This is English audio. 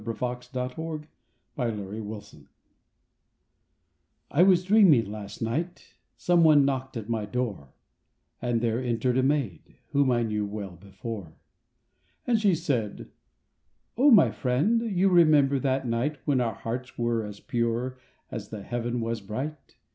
[ 35 ] SONGS AND DREAMS My Bride I was dreaming last night, Someone knocked at my door, And there entered a maid, Whom I knew well before. And she said: "Oh, my friend, You remember that night, When our hearts were as pure, As the heaven was bright.